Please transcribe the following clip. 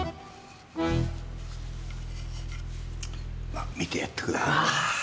まあ見てやって下さい。